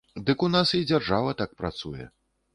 Дык у нас і дзяржава так працуе.